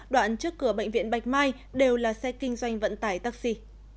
đoạn trước cửa bệnh viện bạch mai đều là xe kinh doanh vận tải taxi